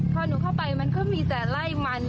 พอหนูเข้าไปมันก็มีแต่ไล่มัน